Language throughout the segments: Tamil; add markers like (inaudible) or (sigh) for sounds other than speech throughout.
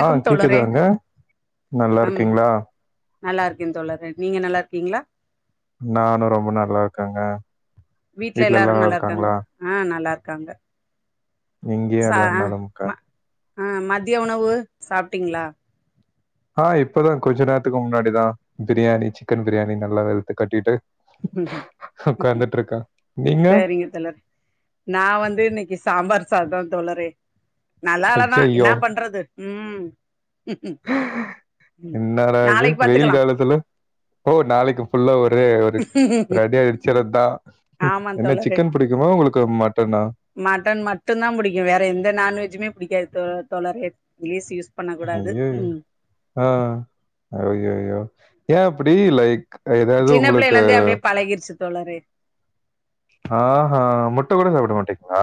ஆ தோழரே கேக்குதாங்க நல்லா ம் இருக்கீங்களா நல்லா இருக்கே தோழரே நீங்க நல்லா இருக்கீங்களா நானு ரொம்ப நல்லா இருக்கேங்க வீட்ல எல்லா நல்லா இருக்காங்களா ஆ நல்லா இருக்காங்க இங்கேயும் ச எல்லாரும் நலம்க்கா. ம ஆ மதிய உணவு சாப்ட்டீங்களா ஆ இப்பதா கொஞ்ச நேரத்துக்கு முன்னாடிதா பிரியாணி சிக்கன் பிரியாணி நல்லா வெளுத்து கட்டிட்டு உக்காந்துட்டு இருக்க நீங்க ஈர்த்தலட் நா வந்து இன்னைக்கு சாம்பார் சாதோ தோழரே நல்லாலதா என்ன ஐயய்யோ! பண்றது ம் ம் என்னாட இது நாளைக்கு வெயில் பாத்துக்கலா காலத்துல ஓ நாளைக்கு ஃபுல்லா ஒரே ஒரு ஒருஅடி அட்ச்சரது தா. ஆமா என்ன தோழரே சிக்கன் புடிக்குமா உங்களுக்கு மட்டனா மட்டன் மட்டு தா புடிக்கு வேற எந்த நான்வெஜுமே புடிக்காது தோழரே வேஸ்யூஸ் ஐயயோ ஆ அய்யயோ ஏ அப்டி லைக் எதாவது சின்ன பிள்ளைல உங்களுக்கு இருந்தே அப்டியே பழகிருச்சு தோழரே ஆஹா முட்ட கூட சாப்ட மாட்டீங்களா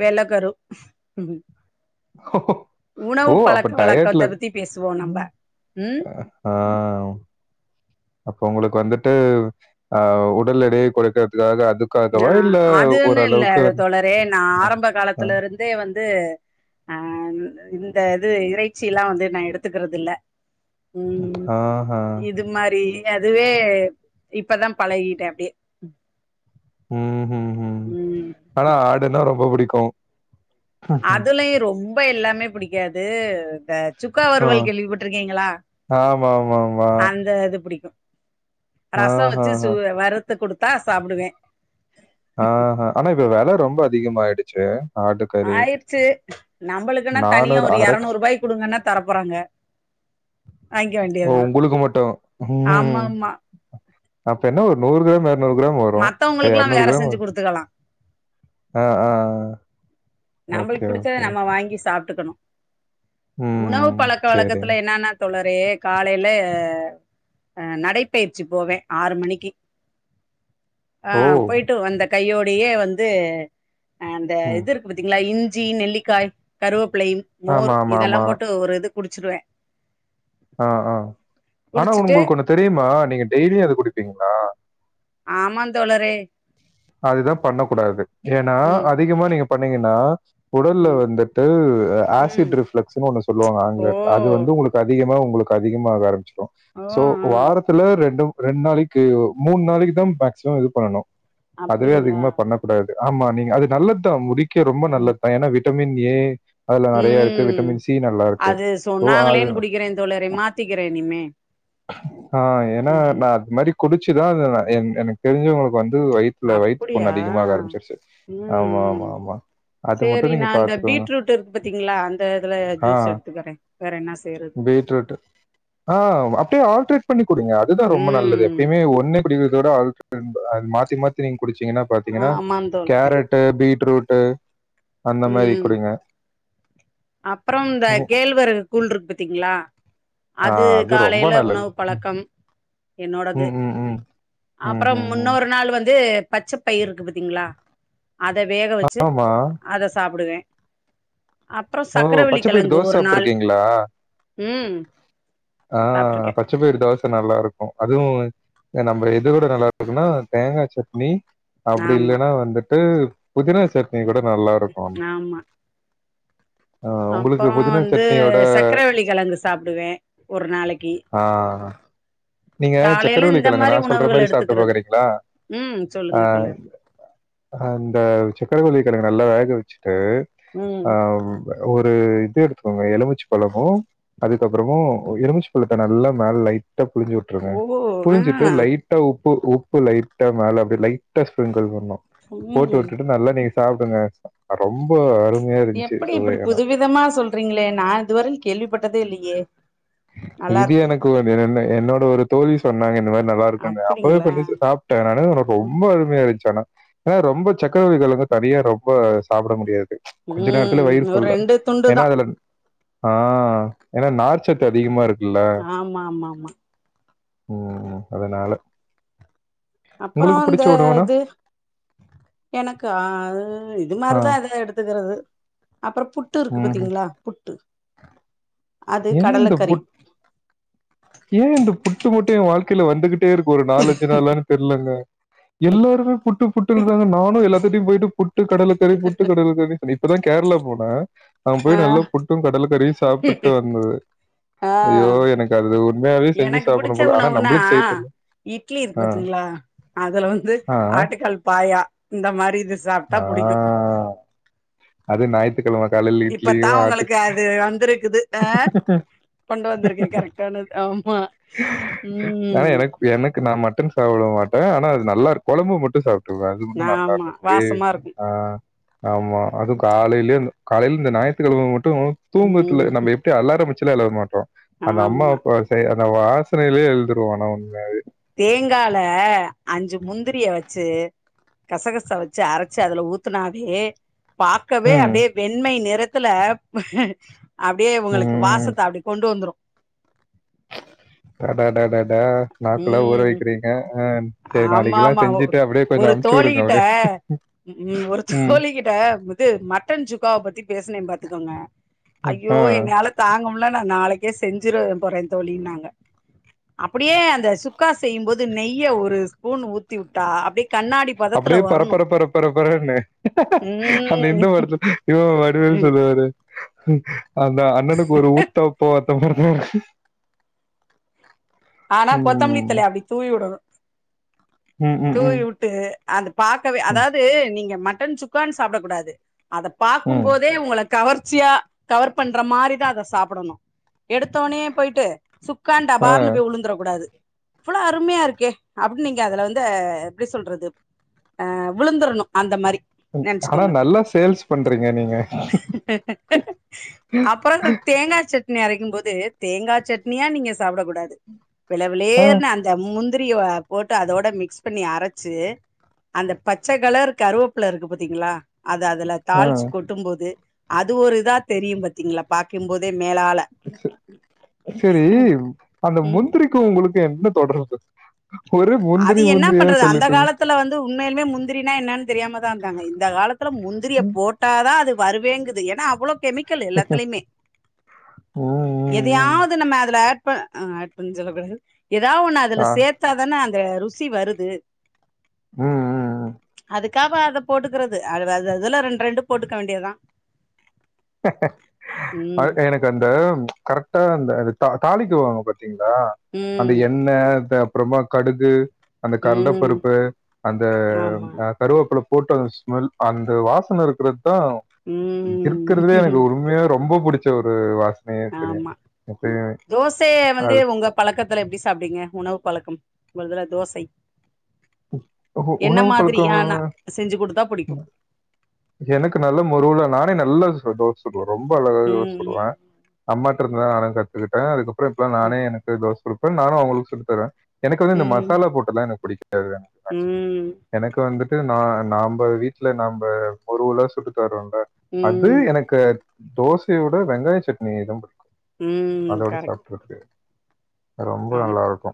வெள்ளகரு ஓ அப்ப பழக்க டயட்ல வழக்கத்த பத்தி பேசுவோ நம்ப ம் ஆ அப்போ உங்களுக்கு வந்துட்டு ஆ உடல் எடையை கொறைகரதுக்காக அது ஆ அது ஒன்னு இல்ல தோழரே நா அ ஆரம்ப அ காலத்துல இருந்தே வந்து ஆ இந்த இது இறைச்சில்லா வந்து நா எடுத்துக்கறதில்ல ம் ஆஹா. இது மாரி அதுவே இப்பதா பழகிட்ட அப்டியே ம்ஹுஹு ம் ஆனா ஆடுன்னா ரொம்ப புடிக்கு அதலயு ரொம்ப எல்லாமே படிக்காது இந்த சுக்கா ஆ. வருவல் கேள்விப்பட்ருக்கீங்களா ஆமாமாமா. அந்த இது புடிக்கு ரசொ வச்சு ஆஹஹ. சுவ வறுத்து குடுத்தா சாப்டுவே ஆஹ ஆனா இது வெல ரொம்ப அதிகமாய்டுச்சு ஆய்றுச்சு நம்மளுக்குனா தனியா ஒரு அரை க் எரநூற் ரூபாய்க்கு குடுங்கனா தரப் போறாங்க வாய்ங்க ஓ வேண்டியதா உங்களுக்கு மட்டும். ம். ஆமாமா அப்ப என்ன ஒரு நூறு கிராம் எரநூறு கிராம் வரு மத்தவுங்களுக்கல்லா வேற செஞ்சு குடுத்துக்கலா அ ஆ ஓகே, நம்பளுக்கு புடிச்சத ஓகே. நம்ம வாங்கி சாப்ட்டுக்கணு உணவு ம். பழக்க சரிங்க. வழக்கத்துல என்னானா தோழரே காலேல அ நடைப்பயிற்சி போவே ஆறு மணிக்கி ஆ ஓ! போயிட்டு வந்த கையோடையே வந்து அ அந்த ம். இது இரு பாத்தீங்களா இஞ்சி நெல்லிக்காய் கருவப்பிளை மோர் ஆமா, ஆமா, இதெல்லா ஆமா. போட்டு ஒரு இது குடுச்சுருவே ஆ ஆ ஆனா குடிச்சிட்டு உங்களுக்கு ஒண்ணு தெரியுமா நீங்க டெய்லியு அது குடிப்பீங்களா ஆமாந் தோழரே அதுதா பண்ணக் கூடாது ஏனா ம் அதிகமா நீங்க பண்ணீங்கனா உடல்ல ம் வந்துட்டு ம் ஆசிட் ரிஃப்ளக்ஸன்னு ஒண்ணு சொல்லுவாங்க ஓ ஆங்கிலத்ல அது வந்து உங்களுக் அதிகமா உங்களுக்கு அதிகமாக ஆரம்பிச்சுரு ஓ சோ ஆ வாரத்துல ரெண்டும் ரெண்டு நாளைக் கி மூண் நாளைக்கு தா மேக்சிமம் இது பண்ணனு அதுவே அப்டிங்களா அதிகமா பண்ணக் கூடாது ஆமா நீங்க அது நல்லத் தா முடிக்கி ரொம்ப ம் நல்லத் தா ஏனா விட்டமின் ஏ அதுல நெறைய இருக்கு ம் விட்டமின் சி நல்லா இருக்கு அது ஓ அது சொன்னாங்களேன்னு குடிக்கிறேன் தோழரே மாத்திக்கிறேன் இனிமே ஆ ஏனா ம் நா அது மாரி குடிச்சுதா இதனா என் எனக்கு தெருஞ்சவுங்களுக்கு வந்து வை ல வயித்து புண்ணு அப்டியா அதிகமாக ஆரம்பிச்சுருச்சு ம் ஆமா ஆமா ம் ஆமா அது சேரி மட்டும் நா நீங்க அந்த பார்த்துக்கோங்க. பீட்ரூட் இருக்கு பாத்தீங்களா அந்த இதுல ஜூஸ் எடுத்துக்கிறே வேற என்னா செய்றது பீட்ரூட்டு ஆ அப்டியே ஆல்ட்ரேட் பண்ணி குடிங்க அதுதா ரொம்ப நல்லது ம் எப்பயுமே ஒண்ணே குடிக்கறதோட ஆல்ட்ரன் அது மாத்தி மாத்தி நீங்க குடிச்சீங்கன்னா பாத்தீங்கன்னா ஆமாந் தோழரே கேரட்டு பீட்ரூட்டு அந்த மாரி குடிங்க அப்பறம் இந்த ம். கேழ்வரகு கூழ் இருக்கு பாத்தீங்களா ஆ அது ரொம்ப காலேல நல்லது. உணவு பழக்கம் என்னோடது ம், ம், ம். ம், அப்பறம் ம், ம். முன்னோரு நாள் வந்து பச்சப் பயிறு இருக்கு பாத்தீங்களா அத வேக வச்சு ஆமா. அத சாப்டுவே அப்பறோ ஓ! சக்கரவள்ளி பச்ச பயிறு கெழங்கு தோசை ஒரு நாள் சாப்ட்டுருக்கீங்களா? ம் ஆ அ சாப்ட்ருக்கேன் பச் பச்சப் பயறு தோச நல்லாருக்கு அதுவு நம்ம எது கூட நல்லா இருக்குமுனா தேங்கா சட்னி அப்டி ஆமா இல்லன்னா வந்துட்டு புதினா சட்னி கூட நல்லாருக்கு உங்களுக்கு அப்பறோ புதினா வந்து சட்னியோட சக்ரவள்ளி கெழங்கு சாப்வே ஒரு நாளக்கி ஆ நீங்க காலையில சக்கரவள்ளி இந்த கெழங்க மாரி நா சொல்ற உணவுகள் மாரி சாப்ட்டு எடுத்துக்கிறது பாக்கறீங்களா ம் சொல்லுங்க தோழர் அந்த சக்கரவள்ளி கெழங்க நல்லா வேக வச்சுட்டு ம் அ ஒரு இது எடுத்துக்கோங்க எலுமிச்ச பழமு அதுக்கப்றமு எலுமிச் அத நல்ல மேல லைட்டா புழுஞ்சு உட்ருங்க ஓ ஆ புழுஞ்சுட்டு லைட் ட்டா உப்பு உப்பு லைட்டா மேல அப்டியே லைட்டா ஸ்ப்ரிங்கிள் பண்ணு போட்டு ம் உட்டுட்டு நல்லா நீ சாப்டுங்க ரொம்ப அருமையா இருந்துச்சு சுவை ஆனா விதமா சொல் றீங்களே நா இதுவர கேள்விப்பட்டதே இல்லையே நல்லா இது இருக்கு எனக்கு ஒரு என்ன என்னோட ஒரு தோழி சொன்னாங்க இந்த மாரி நல்லா இருக்கும்னு அப்பவே அப்டிங்களா புரிஞ்சிச்சு சாப் டதுனால எனக்கு ரொம்ப அருமையாருந்ச்சு ஆனா ஆனா ரொம்ப சக்கரவள்ளி கெழங்க தனியா ரொம்ப சாப்ட முடியாது கொஞ்ச நேரத்துல ம் வயிறு ஒரு ஃபுல்லு ரெண்டு துண்டு ஏன்னா தா அதுல ஆ ஏன்னா நார்ச்சத்து அதிகமாருக் ஆமா ஆமா ஆமா ம் அதனால அப்புறோ உங்களுக்கு இந்த புடிச்ச உணவுனா இது எனக்கா அ அது இது ஆ மாரிதா எதயா எடுத்துக்கறது அப்புறோ புட் புட்டு இருக்கு ம் பாத்தீங்களா புட்டு அது ஏ இந்த கடலக்கறி புட் ஏ இந்த புட்டு மட்டு எ வாழ்க்கையில வந்துகிட் டே இருக்கு ஒரு நாலுஞ்சி நாளா தெரிலங்க எல்லாருமே புட்டு புட்டுன்றாங்க நானு எல்லாத்திகிட்டையு போயிட்டு புட்டு கடல கறி புட்டு கடல கறி நா இப்பதா கேரளா போனே அங்க ஆ போய் நல்லா புட்டும் கடல கறியு சாப்பிட்டு வந்தது ஆ ஐயோ எனக்கு அது உண்மையாவே செஞ்சி எனக்கு பிடிச்ச சாப்புடணும் போல ஆனா உணவுனா நம்பளுக் செய்ய தெரில இட்லி இருக்கு பாத்தீங்களா அதுல வந்து ஆ, ஆட்டுக்கால் பாயா இந்த மாரி இது சாப்ட்டா ஆ. புடிக்கு அது ஞாயி த்துக்கெழம காலையி இப்பத்தா அது உங்களுக்கு அது வந்துருக்குது ஆ கொண்டு வந்துருக்கே கரெக்டானது ஆமா ஆனா ம் எனக்கு எனக்கு நா மட்டன் சாப்பிட மாட்டே ஆனா அது நல்லா கொழம்பு மட்டு சாப்புட் டுவே அது மட்டு ஆமா நல்லாருக்கு க்ரேவி வாசமா இருக்கு ஆ ஆமா அது காலையிலே காலையில இந்த ஞாயித்துக்கெழம மட்டு ம் ட்டு அலாரோ வச்சில எழ மாட்டோ அந்த அம்மா ஆமா அப்ப செய்ற அந்த வாசனையிலேயே எழுந்துருவோ ஆன உண்மையவே தேங்கால அஞ்சி முந்திரிய வச்சி கசகசவ வச்சி அரைச்சி அதுல ஊத்தனாவே பாக்கவே ம். அப்டியே வெண்மை நெறத்துல அப்டியே உங்களுக்கு ம். வாசத்த அப்டி கொண்டு வந்துரு அடாடாடாடா நாக்கலா ஊற வக்கிறீங்க ஆ சரி நாளைக்கெல்லாம் ஆமாமா செஞ்சுட்டு அப்படியே கொஞ்சம் ஒரு அமுச்சு தோழி விடுங்க கிட்ட அப்படியே. ம் ஒரு ம். தோழி கிட் ட இது மட்டன் சுக்காவ பத்தி பேசுனே பாத்துக்கோங்க ம். ஐயோ ஆ என்னையாலே தாங்க முல்ல நா நாளைக்கே செஞ்சிருவ போறே தோழினாங்க அப்டியே அந்த சுக்கா செய்யும்போது நெய்ய ஒரு ஸ்பூன் ஊத்தி உட்டா அப்டியே கண்ணாடி பதத்துல அப்படியே வரணு பரப்பரப்பரப்பரப்பரன்னு அந்த இந்த ம் படத்தல இவ வடிவேல் ம் சொல்லுவாரு அந்த அண்ணனுக்கு ஒரு ஊத்தாப்போ அந்த மாரிதா இரு ஆனா ம். கொத்தமல்லிதலைய அப்படி தூவி உடணு ம், ம், தூவி ம். உட்டு அத பாக்கவே ம், அதாவது நீங்க மட்டன் சுக்கான்னு சாப்பிட கூடாது அத பாக்கும் ம். போதே உங்களு கவர்ச்சியா கவர் பண்ற மாரிதா அத சாப்புடணு எடுத்தோன்னே போயிட்டு சுக்கா ஆ. டபார்னு உழுந்தரக்கூடாது இவ்ளோ அருமையா இருக்கே அப்டின்னு நீங்க அதுல வந்து எப்டி சொல்றது ஆ விழுந்துரணு அந்த மாரி ஆனா நெனச்சுக்கோங்க நல்லா சேல்ஸ் பண்றீங்க நீங்க அப்புறோ தேங்கா சட்னி அரைக்கு போது தேங்கா சட்னியா நீங்க சாப்ட கூடாது வெள்ள ஆ, வெள்ளரேன்னு அந்த முந்திரிய போட்டு அதோட மிக்ஸ் பண்ணி அரச்சி அந்த பச்ச கலர் கருவாப்புல இருக்கு பாத்தீங்களா அத அதுல ஆ. தாளிச்சி கொட்டு போது அது ஒரு இதா தெரியு பாத்தீங்களா பாக்கும்போதே மேலால சேரி அந்த ம் முந்திரிக்கு உங்களுக்கு என்ன தொடர்பு ஒரு முந்திரி முந்திரியா சொல்லிட்டு இருக் த்திலே வந்து உண்மையிலுமே முந்திரினா என்னனு தெரியாம தா இருந்தாங்க இந்த காலத்தில முந்திரிய போட் ம். போட்டாதா அது வருவேங்குது ஏன்னா அவ்ளோ கெமிக் கெமிக்கலு எல்லாத்துலயுமே ம், ம், ம். எதையாவது நம்ம அதுல ஆட் அப்ப ஆ ஆட்னு சொல்லக்கூடாது எதாவொண்ணு அதுல ஆ. சேத்தாதானே அந்த ருசி வருது உம் அதுக்காக அத போட்டுகுறது அத அத அதுல ரெண்ரெண்டு போட்டுக்க வேண்டியதா ம் அது எனக்அந்த கரெக்டா அந்த அது தா தாளிக்வாங்க பாத் திங்ளா அந்த ம் எண்ண த அப்றமா கடுகு அந்த ம் கல்லபருப்பு அந்த ஆமா அ கருவப்ல போட்டு அந்த ஸ்மெல் அந்த வாசன இருக்றத்தா இருக்றதே எனக்கு ம் ஒரு உம்மாயாவே ரொம்ப புடிச்ச ஒரு வாஸ் ஆமா தோசயே வந்து அது உங்க பழகத்துல எப்டி சாப்டுவிங்க உணவு பழக்கம் உங்கள்துல தோசை உ உணவு பழக்கம் என்னமாதிரியான செஞ்சுகுடுத்தா புடிக்கு எனக் நல்லமுருவுலா நானே நல்லா அ தோச சுடுவே ரொம்ப அழகாவே தோச ம் சுடுவே அம்மாட்ருந்துதா நானே கத்துகுட்டே அதுகப்ற இப்பலா நானே ம் எனக்கு தோச சுடுப்பே நானு அவுங்ளுக் சுட்டு தருவே எனக்குவந்து இந்த மசாலா போட்டதுதா எனக்புடிக்கு உம் எனக்கு வந்துட்டு நா நாம்ப வீட்ல நாம்ப முருவுலா சுட்டு தருவோல அது ம் எனக்கு தோசயோட வெங்காயசட்னி தாம் புடிக்கு ம் அதோட கரெக்ட் சாப் ரொம்ப ஆமா நல்லாருக்கு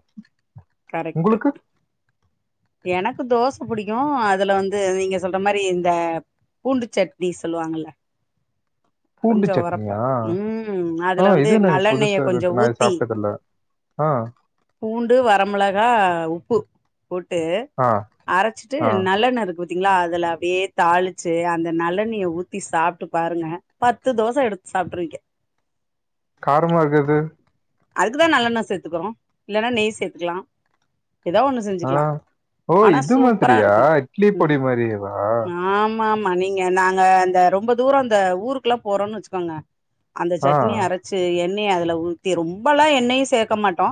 கரெக்ட் உங்குளுக்கு எனக்கு தோஸ் புடிக்கு அதுலவந்து நீங்க சொல்றமாரி இந்த பூண்டுசட்னி சொல்லுவாங்கல்ல கொஞ்சோ ஒரப்பா பூண்டுசட்னியா ம் அ அதுல வந்து இது என்னாது நல்லெண்ணெய கொஞ்சோ புதுசாருக்கு நாஇது ஊத்தி சாப்ட்டதில்ல ஆஹ் பூண்டு வரமிளகா உப்பு போட்டு ஆ, அரசிட்டு ஆ. நல்லெண்ணருக்வத் திங்களா அதுலஅப்டியே தாளிச்சு அந்த நல்லெண்ணய ஊத்தி சாப்ட்டு பாருங்க பத்து தோச எடுத் சாப்ட்ருவீங்க காரமாருக்ரது அதுக்குதா நல்லெண்ண சேத்துகுறோ இல்லனா நெய் சேத்துக்லா ஏதோஒண்ணு ஆ ஓ இதுமாதிரியா இருக்கு ம் இட்லிபொடி மாரியேவா ஆமா ஆம் ம நீங்கநாங்க அந்த ரொம்பதூர ந்த ஊருக்லா போறோன்னு வச்கோங்க ஆ. அந்தசட்னி அர சி எண்ணெய அதுல ஊத்தி ரொம்பலா எண்ணெயு சேக்க மாட்டோ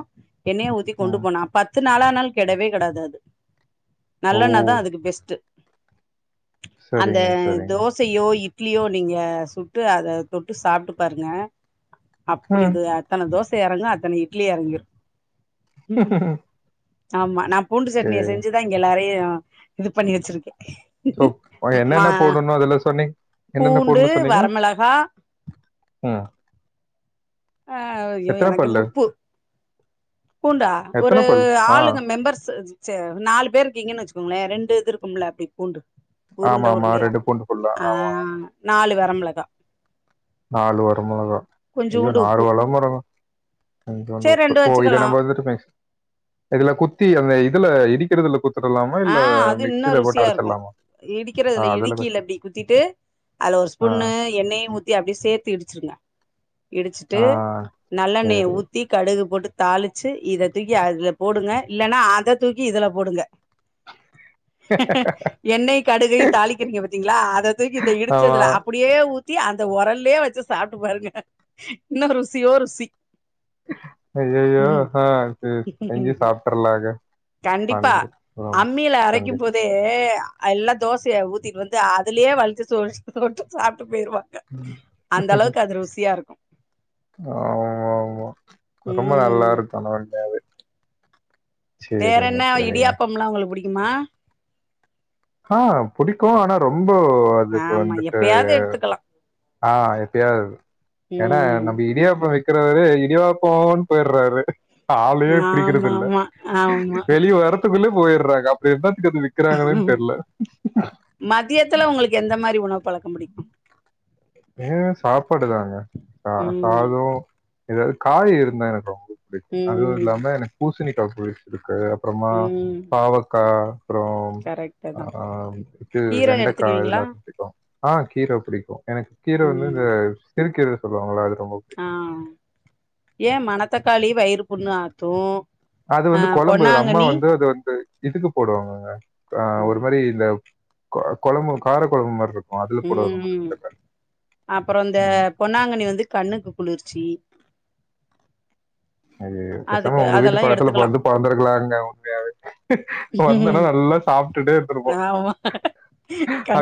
எண்ணெய ஊத்தி கொண்டு ம். போனா பத்து நாளானலு கெடவே கெடாது அது ஓ! நல்லண்ணதா அதுகு பெஸ்டு அந்த சரிங்க, சரிங்க. தோ சயோ இட்லியோ நீங்கசுட்டு அத தொட்டு சாப்ட்டுபாருங்க ம். அப்டிது அத்தன தோச எறங்கு அத்தன இட்லி எறங்கிறு ம் ஆமா நா பூண்டு சட்னிய சரி. செஞ்சுதா இங்க எல்லாரையு இது பண்ணி வச்சிருகே ஓக் என்னென்ன போடனு அதுல சொன்னிங் என்னென்ன பூண்டு போடனு சொன்னீங்க வரமிளகா ம் அ ஐயோ எத்தனை பல்லு எனக்கேமுப்பு பூண்டா ஒரு எத்தனை பல் ஆ ஆளுங்க மெம்பர்ஸ்சஸ் ச நாலு பேருக்கீங்கன்னு வச்சுகோங்ளே ரெண்டு இதுஇருக்கும்ல ப்பி பூண்டு ஆமா உருண்ட ஆமா உருண்டயா ரெண்டு பூண்டு பல்லா அ நாலு வரமிளகா நாலு வரமொளகா ஐயோ கொஞ்சோண்டு நாலு உப்பு வலைமொள கொஞ்சோன்டு சேரி உப்பு ரெண்டு ஓ இத வச்சுக்கலா நம்பவந்துட்டுமிக்ஸ் இதுல குத்தி அந்த இதுல இடிகறதுல குத் ஆ அது இன்னு ருசியா இருக்கு ஆ இடிக்கறதுல அதுல குத்தி- இடுக்கில இப்டி குத்திட்டு அதுல ஒரு ஸ்பூனு ஆ எண்ணெயு ஊத் தி அப்டி சேத்து இடிசிருங்க இடிசுட்டு ஆ நல்லெண்ணய சரி ஊத்தி கடுகு போட்டு தாளிச்சு இததூக்கி அதுல போடுங்க இல்லனா அததூக்கி இதுலபோடுங்க எண்ணெயு கடுகை தாளிக்கிறீங்க பாத்தீங்களா அத தூக்கி இந்த ஆமா இடிச்சதுல அப் டியே ஊத்தி அந்த உரல்லயே வச்சு சாப்ட்டு பாருங்க இன்னு ருசியோ ருசி அய்யய்யோ ம் ஆ சேரி செஞ்சு சாப்ட்டரலாங்க கண்டிப்பா அம்மில அரைக்கும் போதே ஏ எல்லா தோசையா ஊத்திட்டு வந்து அது லயே வழிச்சு சோ சொட்டு சாப்ட்டு போயிருவா அந்த அளவுக்கு அது ருசியா இருக்கு ஆம்மாம்மா ரொம்ப நல்லா ம் இருக்கு (unintelligible) வேற என்ன இடியாப்பம்ல்லா உங்களுக்கு புடிக்குமா ஆ புடிக்கு ஆனா ரொம்ப அதுக்கு ஆமா வந்துட்டு எப்பயாவது எடுத்துக்கலா ஆ எப்பயாவது ஏன்னா ம் நம்ம இடியாப்ப விக் விக்குறவரு இடியாப்போன்னு போய்டறாரு ஆளையே புடிக்கறது ஆமா இல்ல ஆமா ஆமா வெளிய வர த்துக்குள்ளே போய்ட்றாங்க அப்டி என்னாத்துக்கு அத விக்குறாங்கன்னே தெர்ல மதியத்துல உங்களுக்கு எந்த மாதிரி உணவு பழக்கம் புடிக்கும் ஏ சாப்பாடுதாங்க அ ம் சாதோ ஏதாது காய் இருந்தா எனக்கு ரொம்ப அதுவு ம் இல்லாம எனக்கு பூசணிக்கா பொரியல் புடிக்காது அப்புறமா ம் பாவக்கா அப்புறோ கரெக்ட்டு தா ஆ இது கீர வெண்டக்கா எடுத்துக்குவீங்களா இதெல்லா புடிக்கு ஆ கீர புடிக்கும் எனக்கு கீர வந்து ம் இந்த சிறு கீர சொல்லுவாங்களா அது ரொம்ப ஆ யே மணத்தக்காளி வயிறு புண்ணு ஆத்து அது ஆ வந்து கொழம்பு அம்மா பொன்னாங்கண்ணி வந்து அது வந்து இதுக்கு போடுவாங்கங்க ஆ ஒரு ம் மாரி இந்த கொ கொழம்பு கார கொழம்பு மாரி இருக்கு ம் ம் அப்புறோ இந்த ம். பொன்னாங்கன்னி வந்து கண்ணுக்கு குளிர்ச்சி அது பேசமா அதுக்கு உங்க வீட்டு அதெல்லா பக்கத்துல பொறந்து எடுத்துக்கலா வந்து பெறந்தருக்கலாங்க உண்மையாவே வந்தன்னா நல்லா சாப்ட்டுட்டே இருந்திருப்போ ஆமா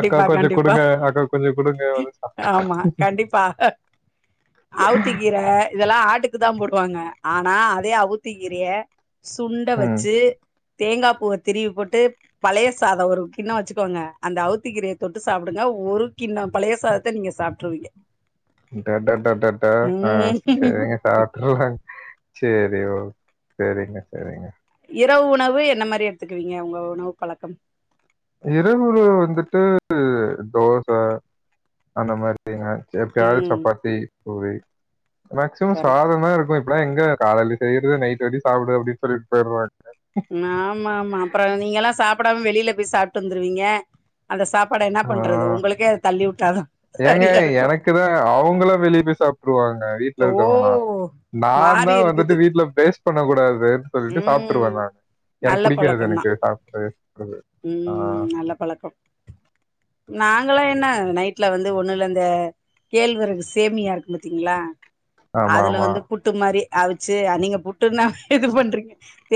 அக்கா கொஞ்சோ குடு கண்டிப்பா குடுங்க அக்கா கொஞ்சோ குடுங்க வந்து (unintelligible) அவுத்தி கீர இதெல்லா ஆட்டுக்கு தா போடுவாங்க ஆனா அதே அவுத்தி கீரைய சுண்ட ம். வச்சி தேங்கா பூவ திருவி போட்டு பழைய சாதோ ஒரு கிண்ணோ வச்சுக்கோங்க அந்த அவுத்தி கீரைய தொட்டு சாப்டுங்க ஒரு கிண்ணோ பழைய சாத த்த நீங்க சாப்ட்டுருவீங்க டடடடடா ஆ ம் சேரிங்க சாப்ட்டுரலாங்க சேரி ஓகே செரிங்க செரிங்க இரவு உணவு என்ன மாரி எடுத்துக்குவீங்க உங்க உணவு பழக்கம் இரவு உணவு வந்துட்டு தோச அந்த மாரி தாங்க எப்பயாது ம் சப்பாத்தி பூரி மேக்சிமம் கரெக்ட் சாதோ தா இருக்கு இப் பெல்லா எங்க காலேல செய்றது நைட் வச்சி சாப்டு அப்டின்னு சொல்லிட்டு போயிற்றாங்க ஆமாம்மா அப்பறோ நீங்க எல்லா சாப்டாம வெளில போய் சாப்ட்டு வந்துருவீங்க அந்த சாப்பாட என்ன பண்றது ஆஹ் உங்களுக்கே அத தள்ளி விட்டா தா ஏங்க எனக்கு தா அவுங்கல்லா வெளிய போய் சாப்டுருவாங்க வீட்ல ஓ இருக்கவங்களா நான்தா மாறி வந்துட்டு இருக்குது வீட்ல வேஸ்ட் பண்ண கூடாதேன்னு சொல்லிட்டு ம் சாப்ட்டுருவே நா எனக்கு நல்ல புடிக்காது பழக்கம்தா எனக்கு சாதத்த வேஸ்ட் பண்றது ஆ ம் நல்ல பழக்கம் நாங்கல்லா என்ன நைட் ல வந்து ஒண்ணுல்ல இந்த கேழ்வரகு சேமியா இருக்கு பாத்தீங்களா ஆமா அதுல ஆமா வந்து புட் டு மாரி அவிச்சி நீங்க புட்டுனா இது பண்றீங்க